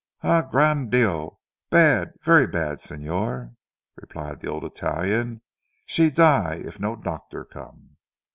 "Eh Gran' Dio, bad, very bad Signor," replied the old Italian, "she die if no doctor come!"